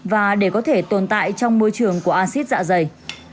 và để có thể tồn tại trong môi trường của acid dạ dày